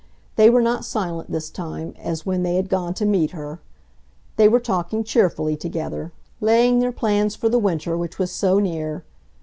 They were not silent this time, as when they had gone to meet her. They were talking cheerfully together, laying their plans for the winter which was so near.